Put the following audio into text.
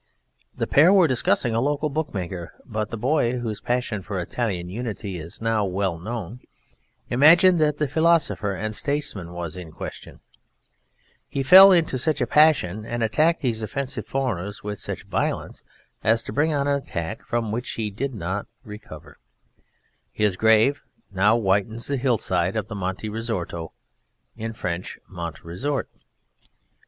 The pair were discussing a local bookmaker, but the boy, whose passion for Italian unity is now well known, imagined that the Philosopher and Statesman was in question; he fell into such a passion and attacked these offensive foreigners with such violence as to bring on an attack from which he did not recover: his grave now whitens the hillside of the Monte Resorto (in French Mont resort).